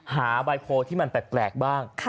หาใบโพลที่มันแปลกบ้าง